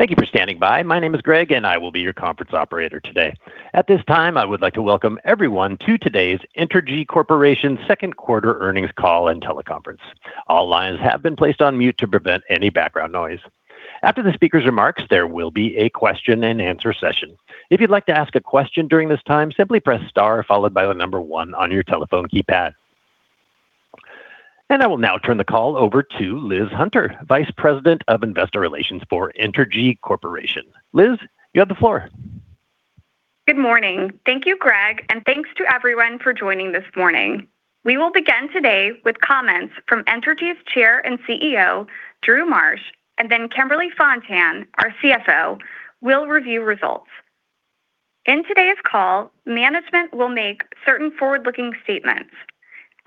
Thank you for standing by. My name is Greg, and I will be your conference operator today. At this time, I would like to welcome everyone to today's Entergy Corporation second quarter earnings call and teleconference. All lines have been placed on mute to prevent any background noise. After the speaker's remarks, there will be a question and answer session. If you'd like to ask a question during this time, simply press star followed by the number one on your telephone keypad. I will now turn the call over to Liz Hunter, Vice President of Investor Relations for Entergy Corporation. Liz, you have the floor. Good morning. Thank you, Greg, and thanks to everyone for joining this morning. We will begin today with comments from Entergy's Chair and CEO, Drew Marsh, and then Kimberly Fontan, our CFO, will review results. In today's call, management will make certain forward-looking statements.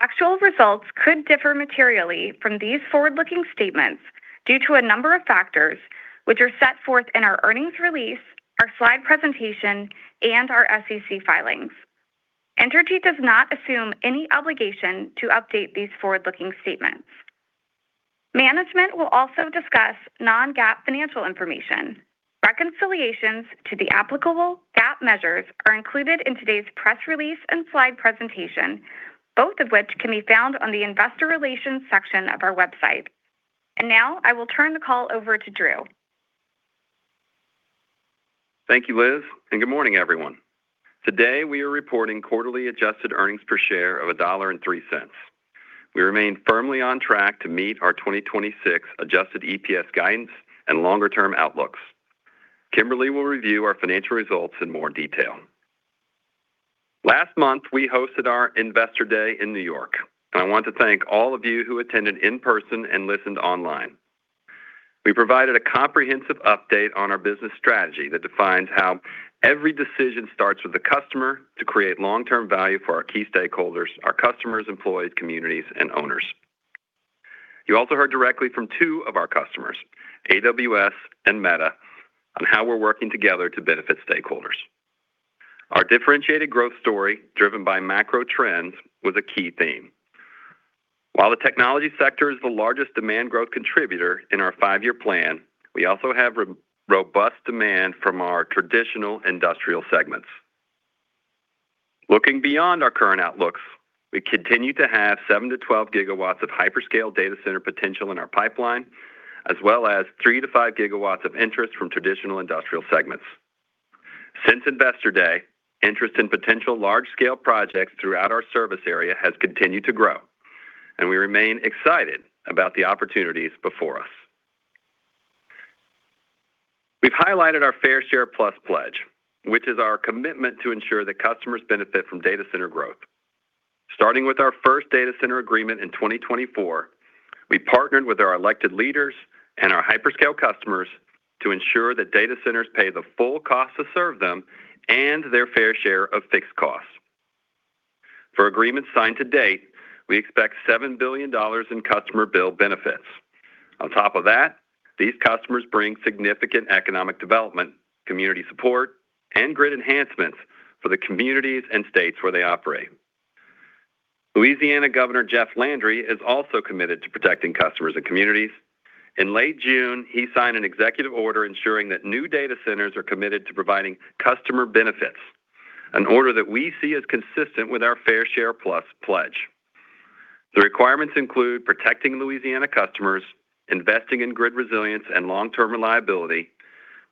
Actual results could differ materially from these forward-looking statements due to a number of factors, which are set forth in our earnings release, our slide presentation, and our SEC filings. Entergy does not assume any obligation to update these forward-looking statements. Management will also discuss non-GAAP financial information. Reconciliations to the applicable GAAP measures are included in today's press release and slide presentation, both of which can be found on the investor relations section of our website. I will now turn the call over to Drew. Thank you, Liz, good morning, everyone. Today, we are reporting quarterly adjusted earnings per share of $1.03. We remain firmly on track to meet our 2026 adjusted EPS guidance and longer-term outlooks. Kimberly will review our financial results in more detail. Last month, we hosted our Investor Day in New York, and I want to thank all of you who attended in person and listened online. We provided a comprehensive update on our business strategy that defines how every decision starts with the customer to create long-term value for our key stakeholders, our customers, employees, communities, and owners. You also heard directly from two of our customers, AWS and Meta, on how we're working together to benefit stakeholders. Our differentiated growth story, driven by macro trends, was a key theme. While the technology sector is the largest demand growth contributor in our five-year plan, we also have robust demand from our traditional industrial segments. Looking beyond our current outlooks, we continue to have seven to 12 GW of hyperscale data center potential in our pipeline, as well as 3 GW to 5 GW of interest from traditional industrial segments. Since Investor Day, interest in potential large-scale projects throughout our service area has continued to grow, we remain excited about the opportunities before us. We've highlighted our Fair Share Plus pledge, which is our commitment to ensure that customers benefit from data center growth. Starting with our first data center agreement in 2024, we partnered with our elected leaders and our hyperscale customers to ensure that data centers pay the full cost to serve them and their fair share of fixed costs. For agreements signed to date, we expect $7 billion in customer bill benefits. On top of that, these customers bring significant economic development, community support, and grid enhancements for the communities and states where they operate. Louisiana Governor Jeff Landry is also committed to protecting customers and communities. In late June, he signed an executive order ensuring that new data centers are committed to providing customer benefits, an order that we see as consistent with our Fair Share Plus pledge. The requirements include protecting Louisiana customers, investing in grid resilience and long-term reliability,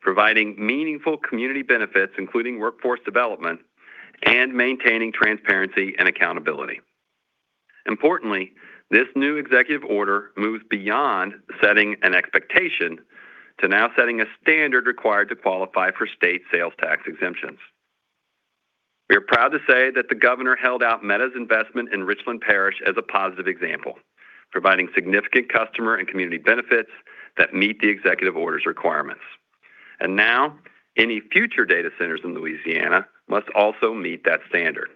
providing meaningful community benefits, including workforce development, and maintaining transparency and accountability. Importantly, this new executive order moves beyond setting an expectation to now setting a standard required to qualify for state sales tax exemptions. We are proud to say that the governor held out Meta's investment in Richland Parish as a positive example, providing significant customer and community benefits that meet the executive order's requirements. Now any future data centers in Louisiana must also meet that standard.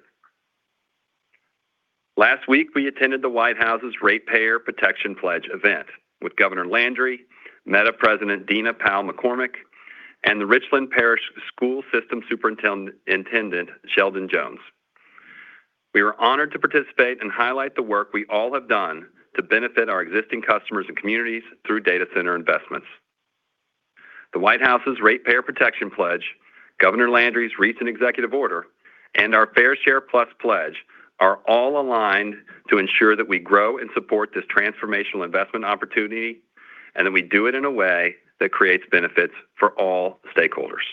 Last week, we attended the White House's Ratepayer Protection Pledge event with Governor Landry, Meta President Dina Powell McCormick, and the Richland Parish School System Superintendent Sheldon Jones. We were honored to participate and highlight the work we all have done to benefit our existing customers and communities through data center investments. The White House's Ratepayer Protection Pledge, Governor Landry's recent executive order, and our Fair Share Plus pledge are all aligned to ensure that we grow and support this transformational investment opportunity, and that we do it in a way that creates benefits for all stakeholders.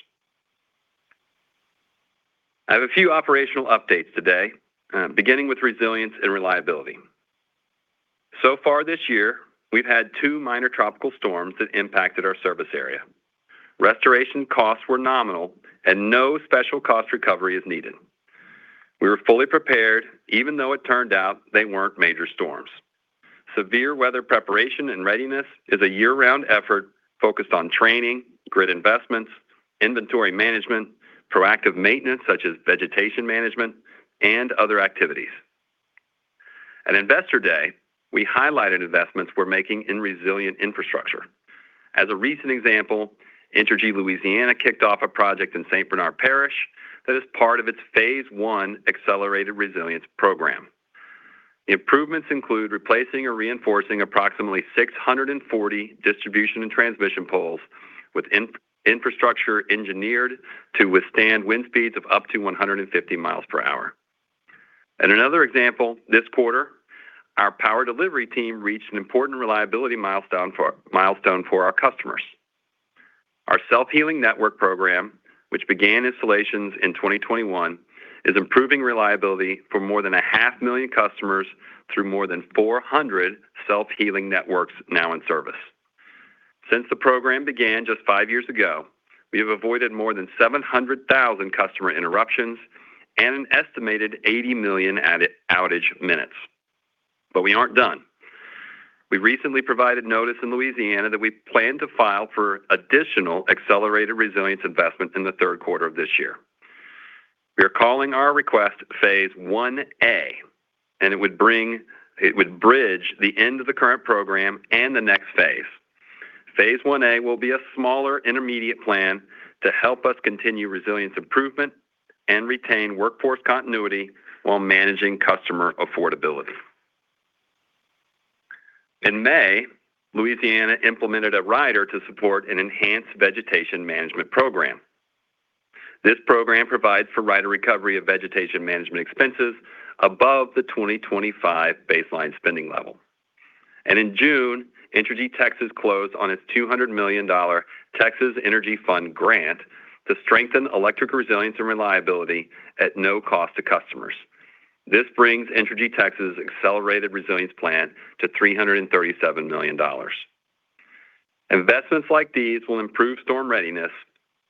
I have a few operational updates today, beginning with resilience and reliability. Far this year, we've had two minor tropical storms that impacted our service area. Restoration costs were nominal and no special cost recovery is needed. We were fully prepared even though it turned out they weren't major storms. Severe weather preparation and readiness is a year-round effort focused on training, grid investments, inventory management, proactive maintenance such as vegetation management, and other activities. At Investor Day, we highlighted investments we're making in resilient infrastructure. As a recent example, Entergy Louisiana kicked off a project in St. Bernard Parish that is part of its phase I accelerated resilience program. Improvements include replacing or reinforcing approximately 640 distribution and transmission poles with infrastructure engineered to withstand wind speeds of up to 150 miles per hour. In another example, this quarter, our power delivery team reached an important reliability milestone for our customers. Our self-healing network program, which began installations in 2021, is improving reliability for more than a 500,000 customers through more than 400 self-healing networks now in service. Since the program began just five years ago, we have avoided more than 700,000 customer interruptions and an estimated 80 million outage minutes. We aren't done. We recently provided notice in Louisiana that we plan to file for additional accelerated resilience investments in the third quarter of this year. We are calling our request phase I-A, and it would bridge the end of the current program and the next phase. Phase I-A will be a smaller intermediate plan to help us continue resilience improvement and retain workforce continuity while managing customer affordability. In May, Louisiana implemented a rider to support an Enhanced Vegetation Management Program. This program provides for rider recovery of vegetation management expenses above the 2025 baseline spending level. In June, Entergy Texas closed on its $200 million Texas Energy Fund grant to strengthen electric resilience and reliability at no cost to customers. This brings Entergy Texas's accelerated resilience plan to $337 million. Investments like these will improve storm readiness,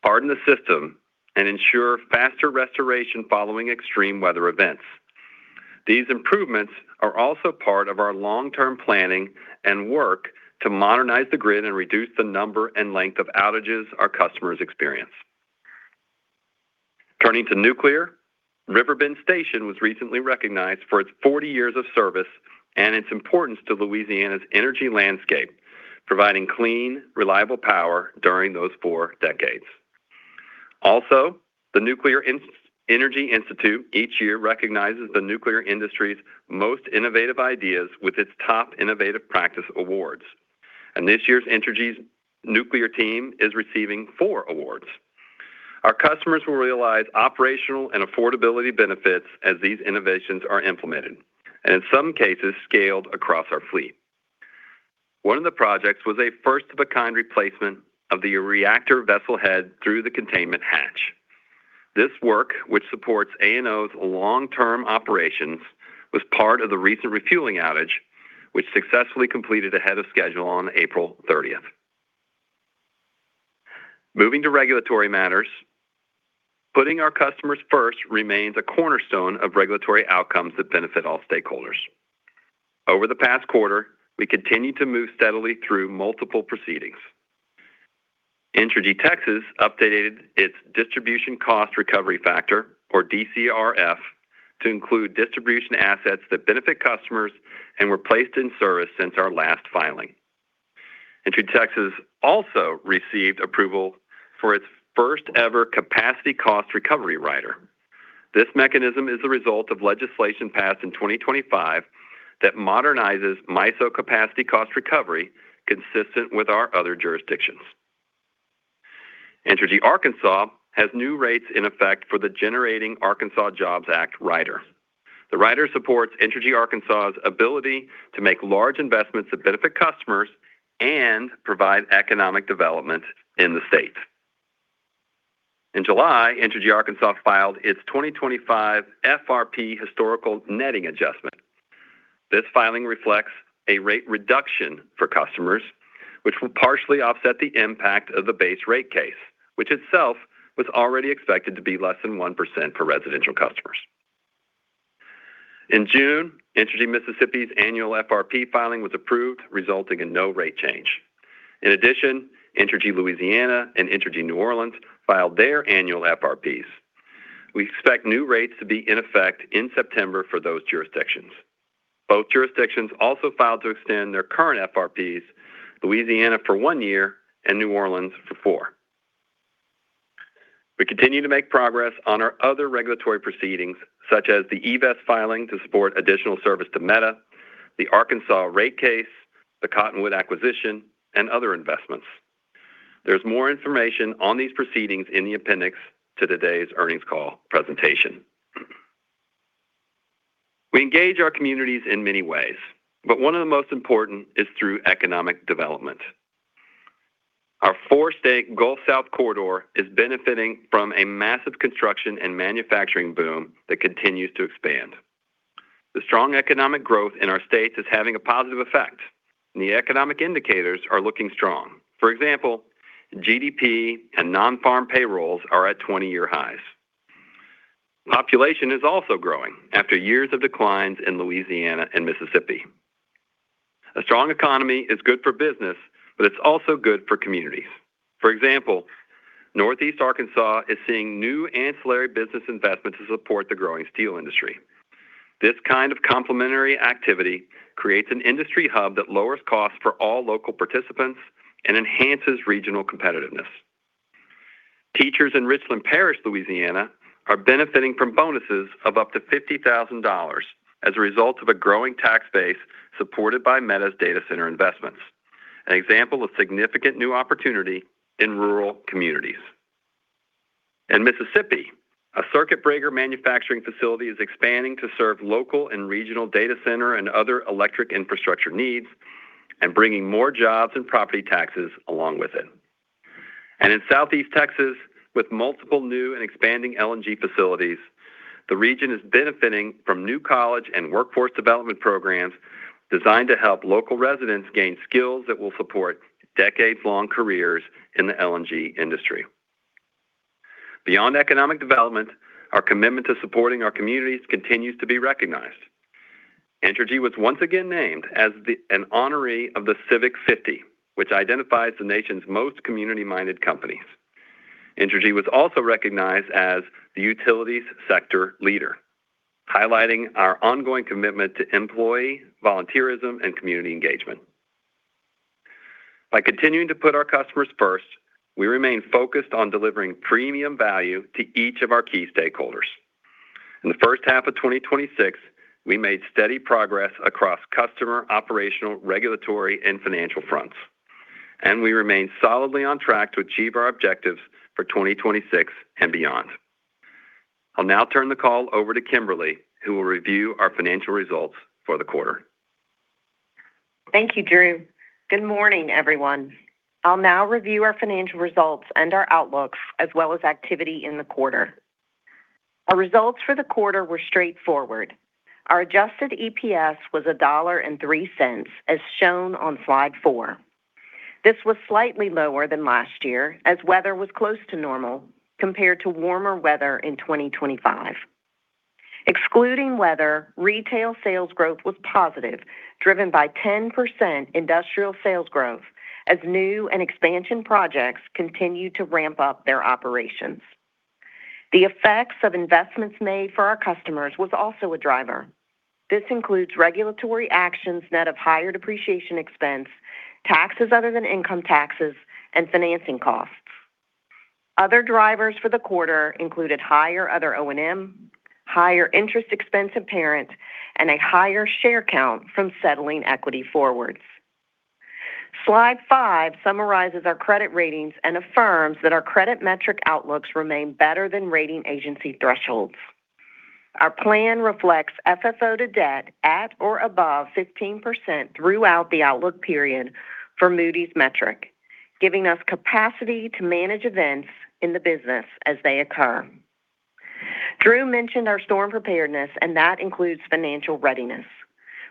harden the system, and ensure faster restoration following extreme weather events. These improvements are also part of our long-term planning and work to modernize the grid and reduce the number and length of outages our customers experience. Turning to nuclear, River Bend Station was recently recognized for its 40 years of service and its importance to Louisiana's energy landscape, providing clean, reliable power during those four decades. Also, the Nuclear Energy Institute each year recognizes the nuclear industry's most innovative ideas with its Top Innovative Practice awards, and this year Entergy's nuclear team is receiving four awards. Our customers will realize operational and affordability benefits as these innovations are implemented, and in some cases, scaled across our fleet. One of the projects was a first of a kind replacement of the reactor vessel head through the containment hatch. This work, which supports ANO's long-term operations, was part of the recent refueling outage, which successfully completed ahead of schedule on April 30th. Moving to regulatory matters, putting our customers first remains a cornerstone of regulatory outcomes that benefit all stakeholders. Over the past quarter, we continued to move steadily through multiple proceedings. Entergy Texas updated its distribution cost recovery factor, or DCRF, to include distribution assets that benefit customers and were placed in service since our last filing. Entergy Texas also received approval for its first ever capacity cost recovery rider. This mechanism is the result of legislation passed in 2025 that modernizes MISO capacity cost recovery consistent with our other jurisdictions. Entergy Arkansas has new rates in effect for the Generating Arkansas Jobs Act rider. The rider supports Entergy Arkansas's ability to make large investments that benefit customers and provide economic development in the state. In July, Entergy Arkansas filed its 2025 FRP historical netting adjustment. This filing reflects a rate reduction for customers, which will partially offset the impact of the base rate case, which itself was already expected to be less than 1% for residential customers. In June, Entergy Mississippi's annual FRP filing was approved, resulting in no rate change. In addition, Entergy Louisiana and Entergy New Orleans filed their annual FRPs. We expect new rates to be in effect in September for those jurisdictions. Both jurisdictions also filed to extend their current FRPs, Louisiana for one year and New Orleans for four. We continue to make progress on our other regulatory proceedings, such as the EVESS filing to support additional service to Meta, the Arkansas rate case, the Cottonwood acquisition, and other investments. There's more information on these proceedings in the appendix to today's earnings call presentation. We engage our communities in many ways, but one of the most important is through economic development. Our 4-state Gulf South corridor is benefiting from a massive construction and manufacturing boom that continues to expand. The strong economic growth in our states is having a positive effect, and the economic indicators are looking strong. For example, GDP and non-farm payrolls are at 20-year highs. Population is also growing after years of declines in Louisiana and Mississippi. A strong economy is good for business. It's also good for communities. For example, Northeast Arkansas is seeing new ancillary business investments to support the growing steel industry. This kind of complementary activity creates an industry hub that lowers costs for all local participants and enhances regional competitiveness. Teachers in Richland Parish, Louisiana, are benefiting from bonuses of up to $50,000 as a result of a growing tax base supported by Meta's data center investments, an example of significant new opportunity in rural communities. In Mississippi, a circuit breaker manufacturing facility is expanding to serve local and regional data center and other electric infrastructure needs. Bringing more jobs and property taxes along with it. In Southeast Texas, with multiple new and expanding LNG facilities, the region is benefiting from new college and workforce development programs designed to help local residents gain skills that will support decades-long careers in the LNG industry. Beyond economic development, our commitment to supporting our communities continues to be recognized. Entergy was once again named as an honoree of The Civic 50, which identifies the nation's most community-minded companies. Entergy was also recognized as the utilities sector leader, highlighting our ongoing commitment to employee, volunteerism, and community engagement. By continuing to put our customers first, we remain focused on delivering premium value to each of our key stakeholders. In the first half of 2026, we made steady progress across customer, operational, regulatory, and financial fronts. We remain solidly on track to achieve our objectives for 2026 and beyond. I'll now turn the call over to Kimberly, who will review our financial results for the quarter. Thank you, Drew. Good morning, everyone. I'll now review our financial results and our outlooks, as well as activity in the quarter. Our results for the quarter were straightforward. Our adjusted EPS was $1.03, as shown on slide four. This was slightly lower than last year, as weather was close to normal compared to warmer weather in 2025. Excluding weather, retail sales growth was positive, driven by 10% industrial sales growth as new and expansion projects continued to ramp up their operations. The effects of investments made for our customers was also a driver. This includes regulatory actions net of higher depreciation expense, taxes other than income taxes, and financing costs. Other drivers for the quarter included higher other O&M, higher interest expense to parents, and a higher share count from settling equity forwards. Slide five summarizes our credit ratings and affirms that our credit metric outlooks remain better than rating agency thresholds. Our plan reflects FFO-to-debt at or above 15% throughout the outlook period for Moody's metric, giving us capacity to manage events in the business as they occur. Drew mentioned our storm preparedness, and that includes financial readiness.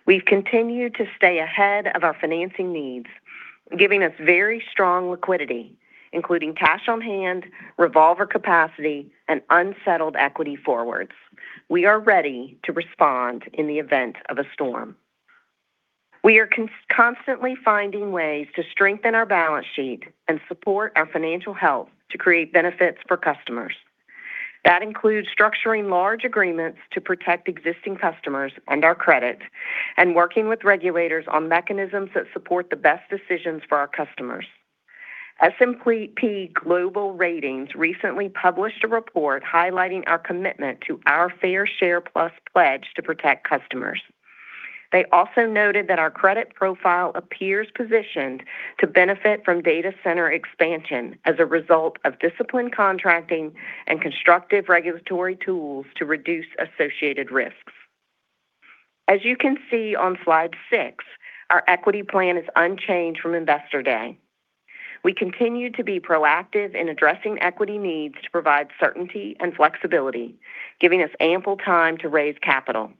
We've continued to stay ahead of our financing needs, giving us very strong liquidity, including cash on hand, revolver capacity, and unsettled equity forwards. We are ready to respond in the event of a storm. We are constantly finding ways to strengthen our balance sheet and support our financial health to create benefits for customers. That includes structuring large agreements to protect existing customers and our credit and working with regulators on mechanisms that support the best decisions for our customers. S&P Global Ratings recently published a report highlighting our commitment to our Fair Share Plus pledge to protect customers. They also noted that our credit profile appears positioned to benefit from data center expansion as a result of disciplined contracting and constructive regulatory tools to reduce associated risks. As you can see on slide six, our equity plan is unchanged from Investor Day. We continue to be proactive in addressing equity needs to provide certainty and flexibility, giving us ample time to raise capital.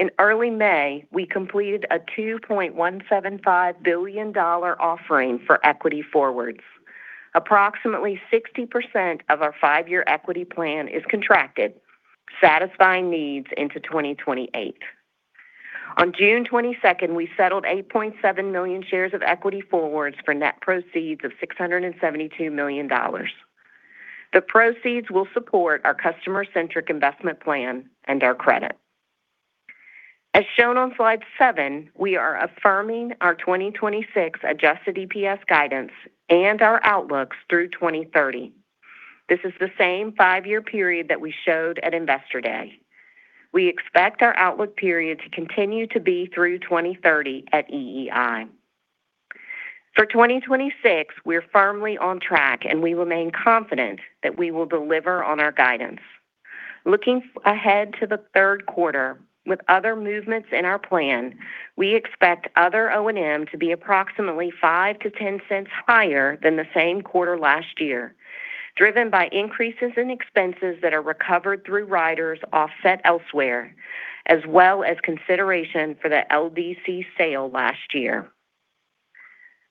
In early May, we completed a $2.175 billion offering for equity forwards. Approximately 60% of our five-year equity plan is contracted, satisfying needs into 2028. On June 22nd, we settled 8.7 million shares of equity forwards for net proceeds of $672 million. The proceeds will support our customer-centric investment plan and our credit. As shown on slide seven, we are affirming our 2026 adjusted EPS guidance and our outlooks through 2030. This is the same five-year period that we showed at Investor Day. We expect our outlook period to continue to be through 2030 at EEI. For 2026, we are firmly on track, and we remain confident that we will deliver on our guidance. Looking ahead to the third quarter with other movements in our plan, we expect other O&M to be approximately $0.05-$0.10 higher than the same quarter last year, driven by increases in expenses that are recovered through riders offset elsewhere, as well as consideration for the LDC sale last year.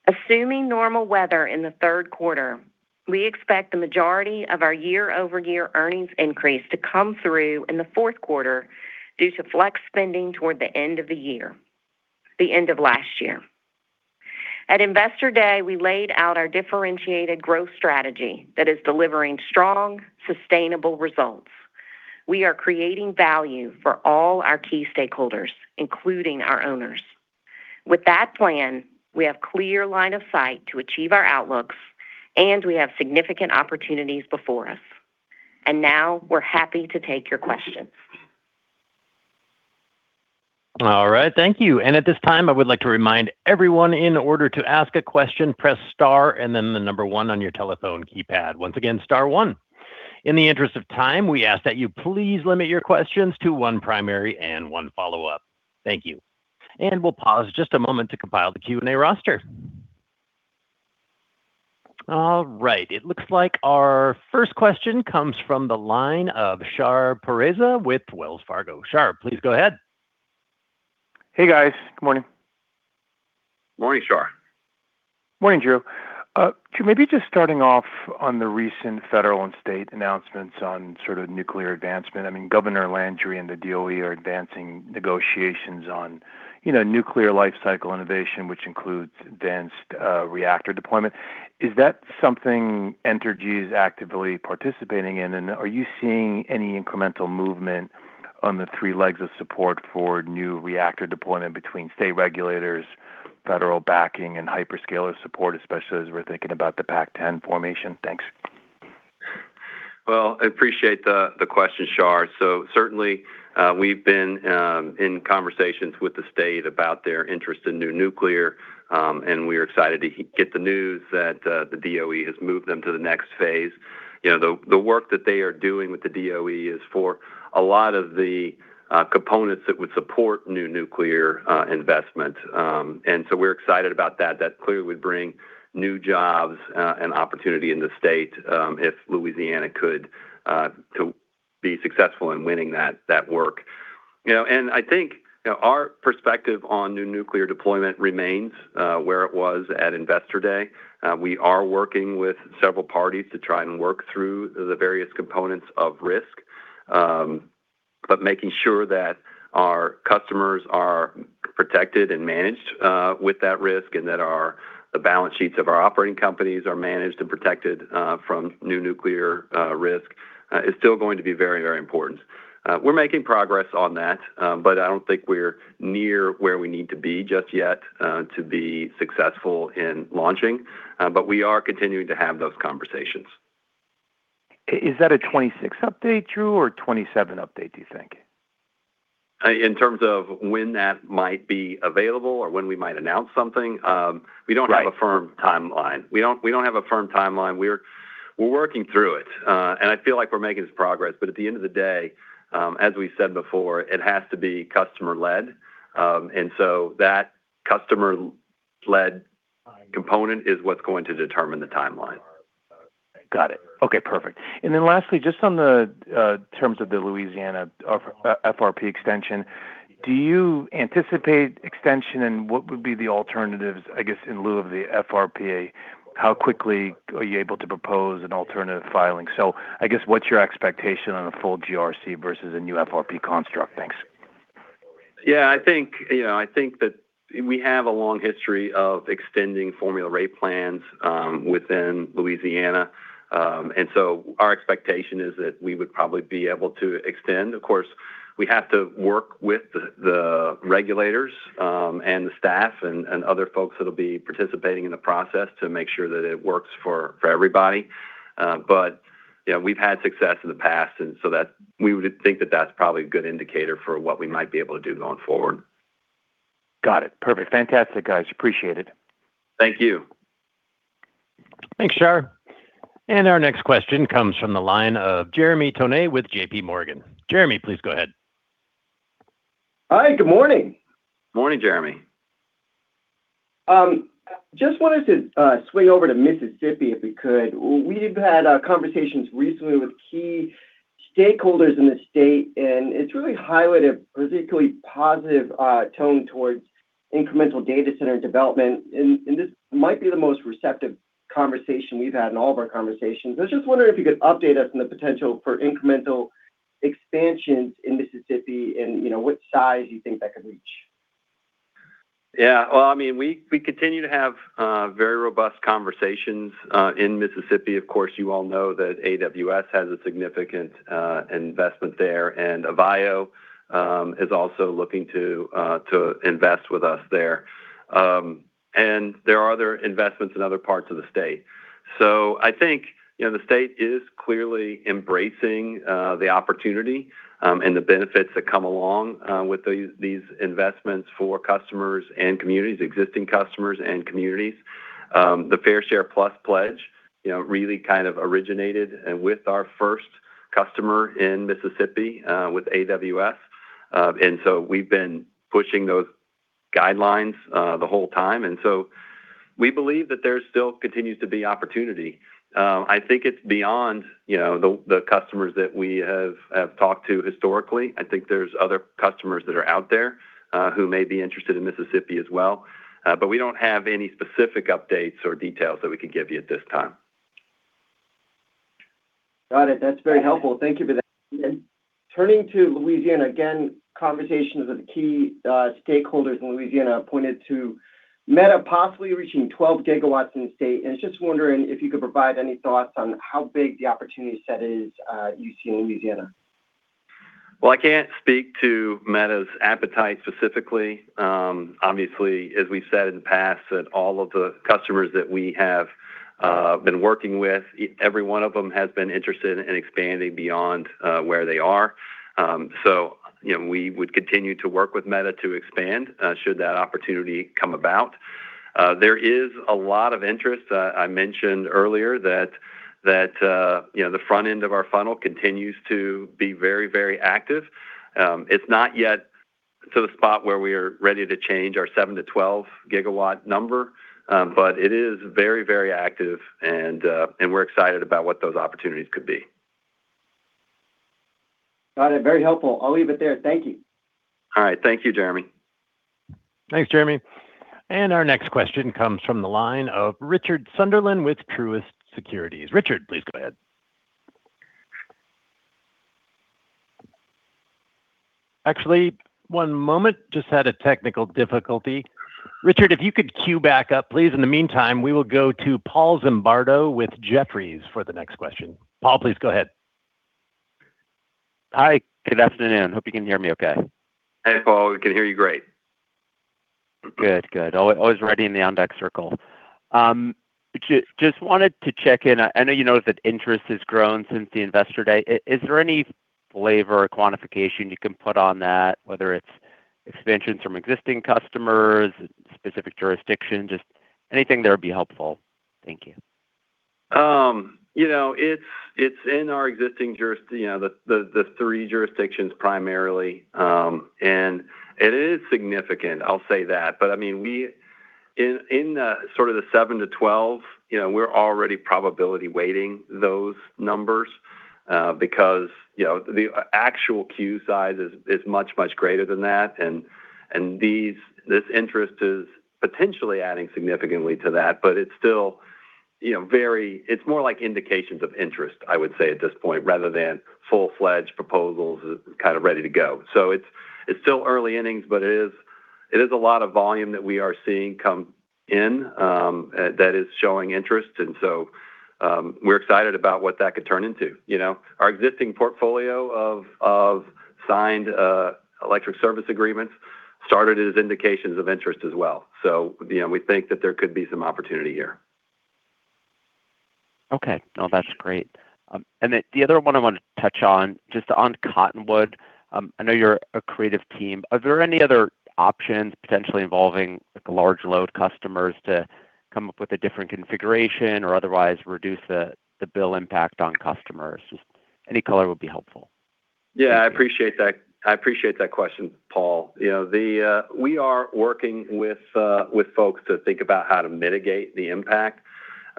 Assuming normal weather in the third quarter, we expect the majority of our year-over-year earnings increase to come through in the fourth quarter due to flex spending toward the end of last year. At Investor Day, we laid out our differentiated growth strategy that is delivering strong, sustainable results. We are creating value for all our key stakeholders, including our owners. With that plan, we have clear line of sight to achieve our outlooks, and we have significant opportunities before us. Now we're happy to take your questions. All right. Thank you. At this time, I would like to remind everyone, in order to ask a question, press star and then the number one on your telephone keypad. Once again, star one. In the interest of time, we ask that you please limit your questions to one primary and one follow-up. Thank you. We'll pause just a moment to compile the Q&A roster. All right. It looks like our first question comes from the line of Shar Pourreza with Wells Fargo. Shar, please go ahead. Hey, guys. Good morning. Morning, Shar. Morning, Drew. Maybe just starting off on the recent federal and state announcements on sort of nuclear advancement. Governor Landry and the DOE are advancing negotiations on nuclear life cycle innovation, which includes advanced reactor deployment. Is that something Entergy is actively participating in, and are you seeing any incremental movement on the three legs of support for new reactor deployment between state regulators, federal backing, and hyperscaler support, especially as we're thinking about the PAC-10 formation? Thanks. Well, I appreciate the question, Shar. Certainly, we've been in conversations with the state about their interest in new nuclear, and we're excited to get the news that the DOE has moved them to the next phase. The work that they are doing with the DOE is for a lot of the components that would support new nuclear investment. We're excited about that. That clearly would bring new jobs and opportunity in the state if Louisiana could be successful in winning that work. I think our perspective on new nuclear deployment remains where it was at Investor Day. We are working with several parties to try and work through the various components of risk. Making sure that our customers are protected and managed with that risk, and that the balance sheets of our operating companies are managed and protected from new nuclear risk is still going to be very important. We're making progress on that. I don't think we're near where we need to be just yet to be successful in launching. We are continuing to have those conversations. Is that a 2026 update, Drew, or a 2027 update, do you think? In terms of when that might be available or when we might announce something? Right. We don't have a firm timeline. We're working through it. I feel like we're making progress. At the end of the day, as we've said before, it has to be customer led. That customer-led component is what's going to determine the timeline. Got it. Okay, perfect. Lastly, just on the terms of the Louisiana FRP extension, do you anticipate extension, and what would be the alternatives, I guess, in lieu of the FRP? How quickly are you able to propose an alternative filing? I guess, what's your expectation on a full GRC versus a new FRP construct? Thanks. Yeah, I think that we have a long history of extending Formula Rate Plans within Louisiana. Our expectation is that we would probably be able to extend. Of course, we have to work with the regulators, and the staff, and other folks that'll be participating in the process to make sure that it works for everybody. We've had success in the past, and so we would think that that's probably a good indicator for what we might be able to do going forward. Got it. Perfect. Fantastic, guys. Appreciate it. Thank you. Thanks, Shar. Our next question comes from the line of Jeremy Tonet with JPMorgan. Jeremy, please go ahead. Hi. Good morning. Morning, Jeremy. Just wanted to swing over to Mississippi, if we could. We've had conversations recently with key stakeholders in the state, and it's really highlighted a particularly positive tone towards incremental data center development. This might be the most receptive conversation we've had in all of our conversations. I was just wondering if you could update us on the potential for incremental expansions in Mississippi and what size you think that could reach? Yeah. Well, we continue to have very robust conversations in Mississippi. Of course, you all know that AWS has a significant investment there, and AVAIO is also looking to invest with us there. There are other investments in other parts of the state. I think the state is clearly embracing the opportunity and the benefits that come along with these investments for customers and communities, existing customers and communities. The Fair Share Plus pledge really kind of originated with our first customer in Mississippi, with AWS. We've been pushing those guidelines the whole time. We believe that there still continues to be opportunity. I think it's beyond the customers that we have talked to historically. I think there's other customers that are out there who may be interested in Mississippi as well. We don't have any specific updates or details that we could give you at this time. Got it. That's very helpful. Thank you for that. Turning to Louisiana again, conversations with key stakeholders in Louisiana pointed to Meta possibly reaching 12 GW in the state. Just wondering if you could provide any thoughts on how big the opportunity set is you see in Louisiana. Well, I can't speak to Meta's appetite specifically. Obviously, as we've said in the past, that all of the customers that we have been working with, every one of them has been interested in expanding beyond where they are. We would continue to work with Meta to expand, should that opportunity come about. There is a lot of interest. I mentioned earlier that the front end of our funnel continues to be very active. It's not yet to the spot where we are ready to change our seven to 12 GW number. It is very active and we're excited about what those opportunities could be. Got it. Very helpful. I'll leave it there. Thank you. All right. Thank you, Jeremy. Thanks, Jeremy Tonet. Our next question comes from the line of Richard Sunderland with Truist Securities. Richard, please go ahead. Actually, one moment. Just had a technical difficulty. Richard, if you could queue back up, please. In the meantime, we will go to Paul Zimbardo with Jefferies for the next question. Paul, please go ahead. Hi. Good afternoon. Hope you can hear me okay. Hey, Paul. We can hear you great. Good. Always ready in the on-deck circle. Just wanted to check in. I know you know that interest has grown since the Investor Day. Is there any flavor or quantification you can put on that, whether it's expansions from existing customers, specific jurisdiction, just anything that would be helpful. Thank you. It's in our existing jurisdictions, the three jurisdictions primarily. It is significant, I'll say that. In the seven to 12, we're already probability weighting those numbers, because the actual queue size is much greater than that. This interest is potentially adding significantly to that, but it's more like indications of interest, I would say, at this point, rather than full-fledged proposals kind of ready to go. It's still early innings, but it is a lot of volume that we are seeing come in that is showing interest. We're excited about what that could turn into. Our existing portfolio of signed electric service agreements started as indications of interest as well. We think that there could be some opportunity here. Okay. No, that's great. The other one I want to touch on, just on Cottonwood. I know you're a creative team. Are there any other options potentially involving large load customers to come up with a different configuration or otherwise reduce the bill impact on customers? Just any color would be helpful. Yeah. I appreciate that question, Paul. We are working with folks to think about how to mitigate the impact.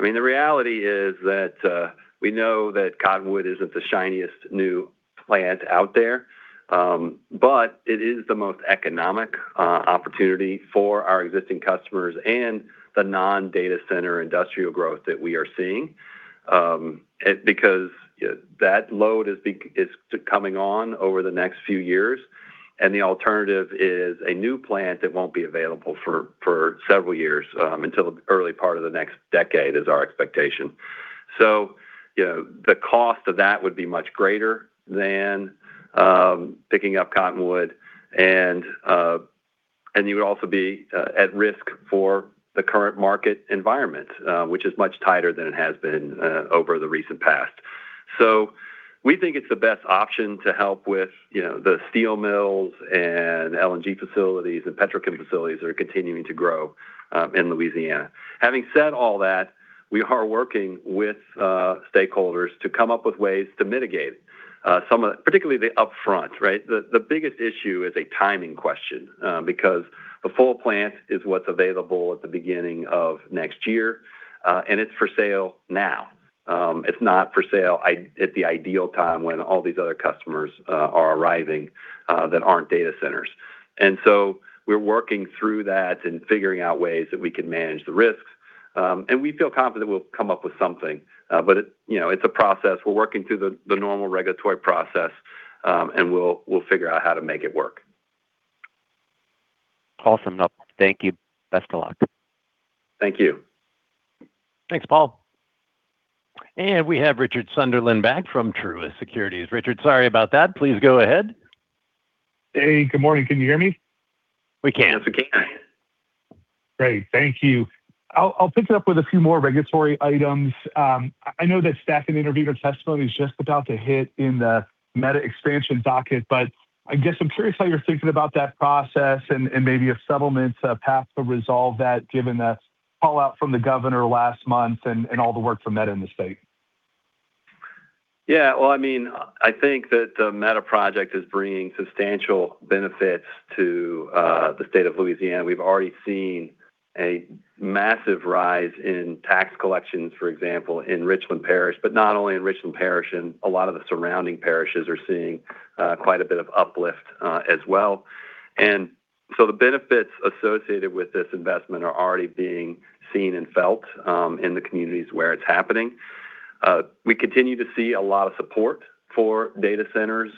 The reality is that we know that Cottonwood isn't the shiniest new plant out there. It is the most economic opportunity for our existing customers and the non-data center industrial growth that we are seeing. Because that load is coming on over the next few years, and the alternative is a new plant that won't be available for several years, until the early part of the next decade is our expectation. The cost of that would be much greater than picking up Cottonwood and you would also be at risk for the current market environment, which is much tighter than it has been over the recent past. We think it's the best option to help with the steel mills and LNG facilities and petrochemical facilities that are continuing to grow in Louisiana. Having said all that, we are working with stakeholders to come up with ways to mitigate some of that, particularly the upfront, right? The biggest issue is a timing question, because the full plant is what's available at the beginning of next year. It's for sale now. It's not for sale at the ideal time when all these other customers are arriving that aren't data centers. We're working through that and figuring out ways that we can manage the risks. We feel confident we'll come up with something. It's a process. We're working through the normal regulatory process. We'll figure out how to make it work. Awesome. Thank you. Best of luck. Thank you. Thanks, Paul. We have Richard Sunderland back from Truist Securities. Richard, sorry about that. Please go ahead. Hey, good morning. Can you hear me? We can. Great. Thank you. I'll pick it up with a few more regulatory items. I know that staff and intervener testimony is just about to hit in the Meta expansion docket, I guess I'm curious how you're thinking about that process. Maybe if settlements have passed to resolve that, given the fallout from the Governor last month and all the work from Meta in the State. Well, I think that the Meta project is bringing substantial benefits to the State of Louisiana. We've already seen a massive rise in tax collections, for example, in Richland Parish. Not only in Richland Parish, a lot of the surrounding parishes are seeing quite a bit of uplift as well. The benefits associated with this investment are already being seen and felt in the communities where it's happening. We continue to see a lot of support for data centers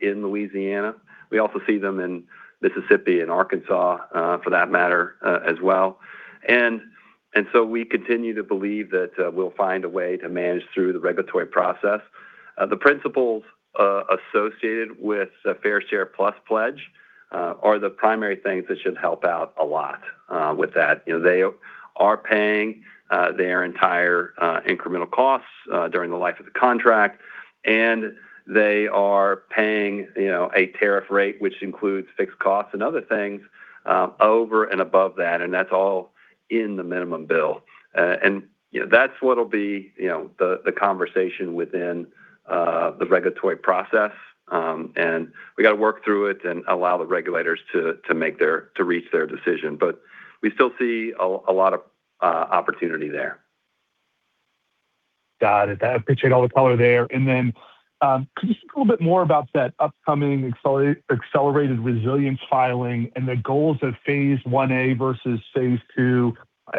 in Louisiana. We also see them in Mississippi and Arkansas for that matter, as well. We continue to believe that we'll find a way to manage through the regulatory process. The principles associated with the Fair Share Plus pledge are the primary things that should help out a lot with that. They are paying their entire incremental costs during the life of the contract, they are paying a tariff rate, which includes fixed costs and other things over and above that. That's all in the minimum bill. That's what'll be the conversation within the regulatory process. We got to work through it and allow the regulators to reach their decision. We still see a lot of opportunity there. Got it. I appreciate all the color there. Could you speak a little bit more about that upcoming accelerated resilience filing and the goals of phase I-A versus phase II?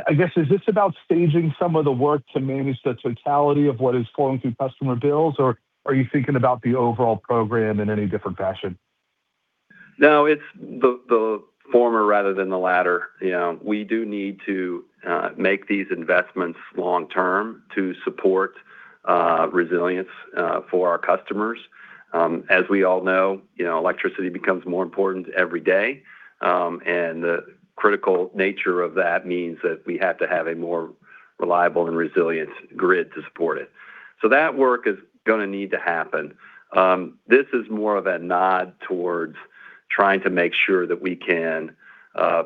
I guess, is this about staging some of the work to manage the totality of what is flowing through customer bills, or are you thinking about the overall program in any different fashion? No, it's the former rather than the latter. We do need to make these investments long-term to support resilience for our customers. As we all know, electricity becomes more important every day. The critical nature of that means that we have to have a more reliable and resilient grid to support it. That work is going to need to happen. This is more of a nod towards trying to make sure that we can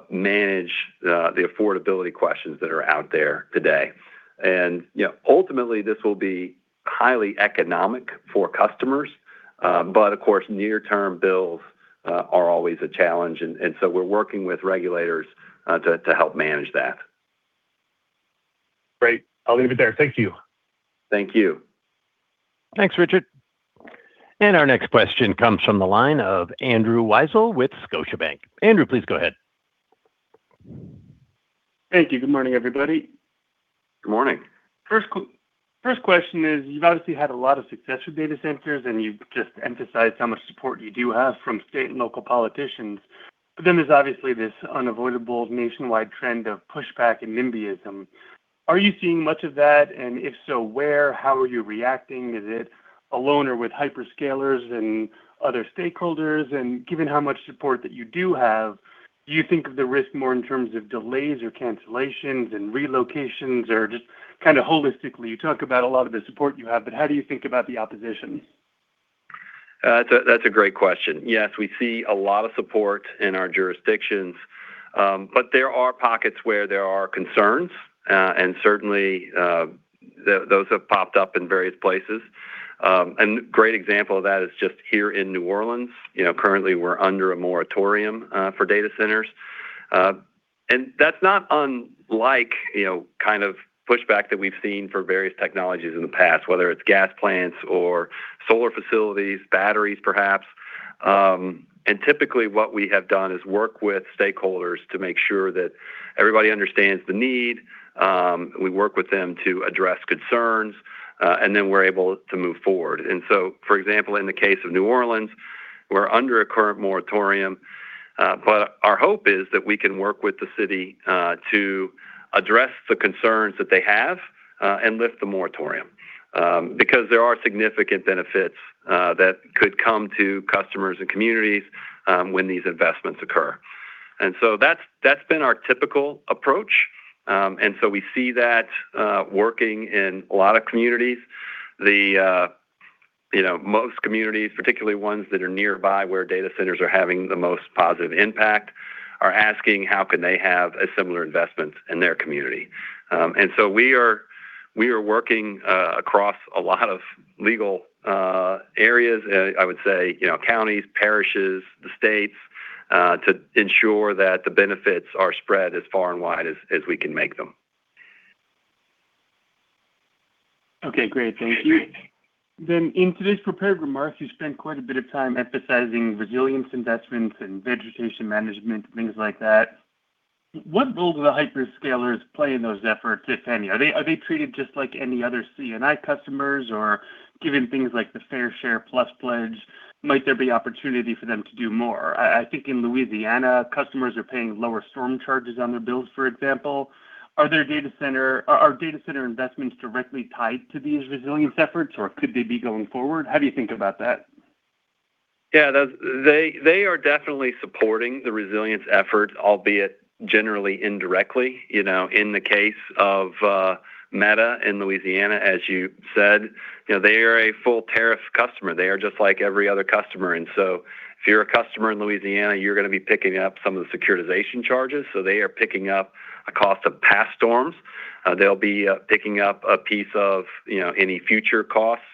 manage the affordability questions that are out there today. Ultimately, this will be highly economic for customers. Of course, near-term bills are always a challenge, we're working with regulators to help manage that. Great. I'll leave it there. Thank you. Thank you. Thanks, Richard. Our next question comes from the line of Andrew Weisel with Scotiabank. Andrew, please go ahead. Thank you. Good morning, everybody. Good morning. First question is, you've obviously had a lot of success with data centers, you've just emphasized how much support you do have from state and local politicians. There's obviously this unavoidable nationwide trend of pushback and NIMBYism. Are you seeing much of that? If so, where? How are you reacting? Is it alone or with hyperscalers and other stakeholders? Given how much support that you do have, do you think of the risk more in terms of delays or cancellations and relocations? Just holistically, you talk about a lot of the support you have, but how do you think about the opposition? That's a great question. Yes, we see a lot of support in our jurisdictions, but there are pockets where there are concerns. Certainly, those have popped up in various places. A great example of that is just here in New Orleans. Currently, we're under a moratorium for data centers. That's not unlike pushback that we've seen for various technologies in the past, whether it's gas plants or solar facilities, batteries, perhaps. Typically, what we have done is work with stakeholders to make sure that everybody understands the need. We work with them to address concerns, then we're able to move forward. For example, in the case of New Orleans, we're under a current moratorium. Our hope is that we can work with the city to address the concerns that they have, and lift the moratorium. Because there are significant benefits that could come to customers and communities when these investments occur. That's been our typical approach, and so we see that working in a lot of communities. Most communities, particularly ones that are nearby where data centers are having the most positive impact, are asking how can they have a similar investment in their community. We are working across a lot of legal areas. I would say, counties, parishes, the states, to ensure that the benefits are spread as far and wide as we can make them. Okay, great. Thank you. In today's prepared remarks, you spent quite a bit of time emphasizing resilience investments and vegetation management, things like that. What role do the hyperscalers play in those efforts, if any? Are they treated just like any other C&I customers? Or given things like the Fair Share Plus pledge, might there be opportunity for them to do more? I think in Louisiana, customers are paying lower storm charges on their bills, for example. Are data center investments directly tied to these resilience efforts, or could they be going forward? How do you think about that? Yeah. They are definitely supporting the resilience efforts, albeit generally indirectly. In the case of Meta in Louisiana, as you said, they are a full-tariff customer. They are just like every other customer in. If you're a customer in Louisiana, you're going to be picking up some of the securitization charges. They are picking up a cost of past storms. They'll be picking up a piece of any future costs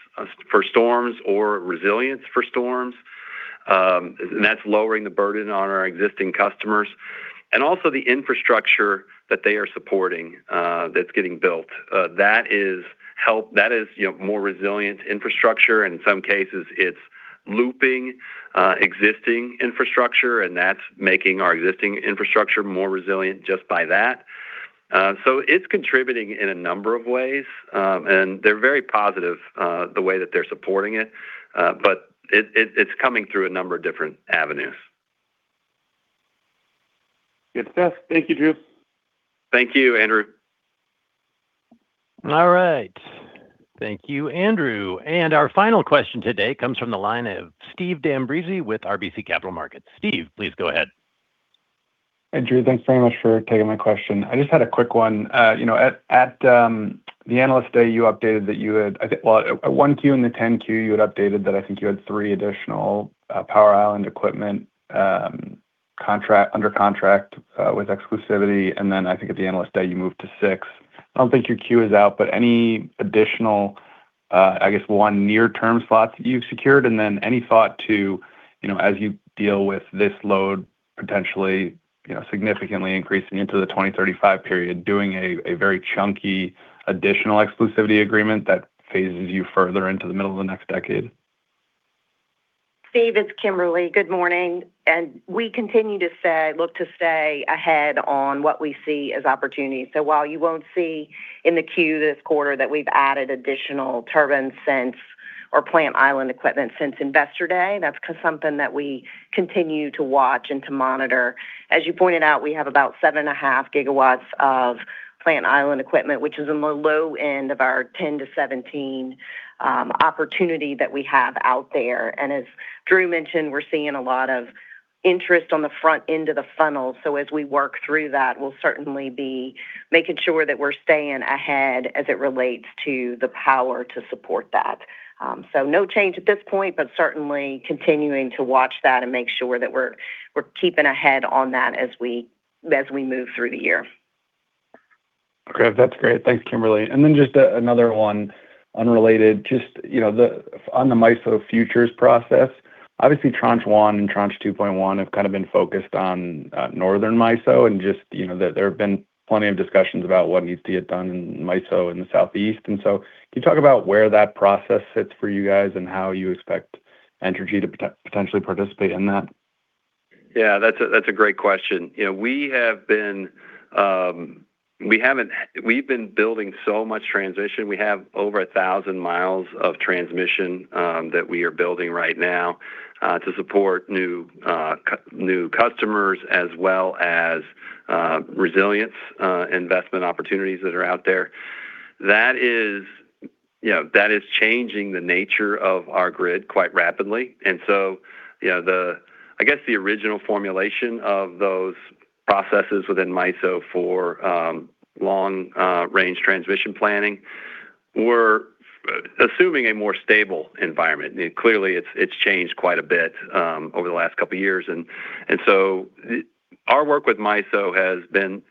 for storms or resilience for storms. That's lowering the burden on our existing customers. Also the infrastructure that they are supporting that's getting built. That is more resilient infrastructure. In some cases, it's looping existing infrastructure, and that's making our existing infrastructure more resilient just by that. It's contributing in a number of ways. They're very positive the way that they're supporting it. It's coming through a number of different avenues. Good stuff. Thank you, Drew. Thank you, Andrew. All right. Thank you, Andrew. Our final question today comes from the line of Steve D'Ambrisi with RBC Capital Markets. Steve, please go ahead. Andrew, thanks very much for taking my question. I just had a quick one. At the Analyst Day, at 1Q and the 10-Q, you had updated that I think you had three additional power island equipment under contract with exclusivity, and then I think at the Analyst Day, you moved to six. I don't think your Q is out, any additional, I guess, one near-term spots that you've secured, and then any thought to, as you deal with this load, potentially significantly increasing into the 2035 period, doing a very chunky additional exclusivity agreement that phases you further into the middle of the next decade? Steve, it's Kimberly. Good morning. We continue to look to stay ahead on what we see as opportunities. While you won't see in the Q this quarter that we've added additional turbines or plant island equipment since Investor Day, that's because something that we continue to watch and to monitor. As you pointed out, we have about 7.5 GW of plant island equipment, which is in the low end of our 10 to 17 opportunity that we have out there. As Drew mentioned, we're seeing a lot of interest on the front end of the funnel. As we work through that, we'll certainly be making sure that we're staying ahead as it relates to the power to support that. No change at this point, but certainly continuing to watch that and make sure that we're keeping ahead on that as we move through the year. Okay. That's great. Thanks, Kimberly. Just another one, unrelated. Just on the MISO futures process, obviously Tranche 1 and Tranche 2.1 have kind of been focused on Northern MISO and there have been plenty of discussions about what needs to get done in MISO in the southeast. Can you talk about where that process sits for you guys and how you expect Entergy to potentially participate in that? Yeah, that's a great question. We've been building so much transmission. We have over 1,000 mi of transmission that we are building right now to support new customers as well as resilience investment opportunities that are out there. That is changing the nature of our grid quite rapidly. I guess the original formulation of those processes within MISO for long range transmission planning were assuming a more stable environment. Clearly it's changed quite a bit over the last couple of years. Our work with MISO has been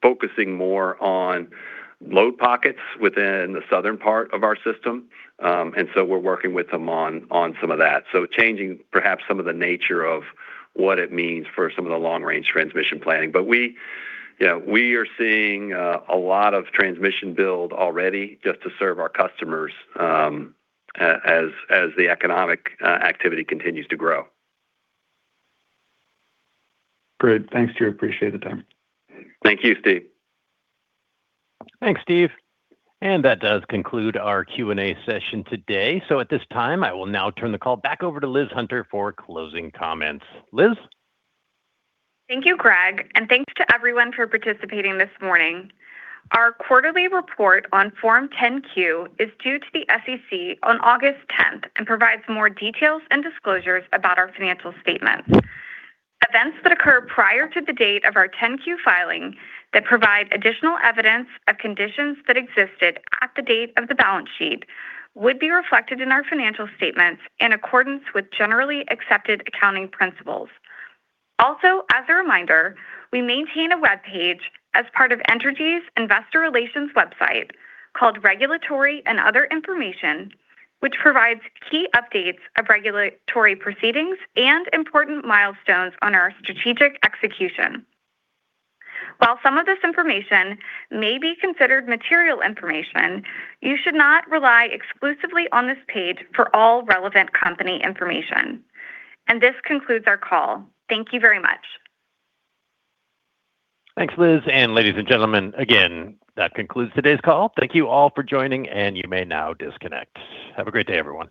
focusing more on load pockets within the southern part of our system. We're working with them on some of that. Changing perhaps some of the nature of what it means for some of the long range transmission planning. We are seeing a lot of transmission build already just to serve our customers as the economic activity continues to grow. Great. Thanks, Drew. Appreciate the time. Thank you, Steve. Thanks, Steve. That does conclude our Q&A session today. At this time, I will now turn the call back over to Liz Hunter for closing comments. Liz? Thank you, Greg, and thanks to everyone for participating this morning. Our quarterly report on Form 10-Q is due to the SEC on August 10th and provides more details and disclosures about our financial statements. Events that occur prior to the date of our 10-Q filing that provide additional evidence of conditions that existed at the date of the balance sheet would be reflected in our financial statements in accordance with generally accepted accounting principles. Also, as a reminder, we maintain a webpage as part of Entergy's investor relations website called Regulatory and Other Information, which provides key updates of regulatory proceedings and important milestones on our strategic execution. While some of this information may be considered material information, you should not rely exclusively on this page for all relevant company information. This concludes our call. Thank you very much. Thanks, Liz, and ladies and gentlemen, again, that concludes today's call. Thank you all for joining, and you may now disconnect. Have a great day, everyone.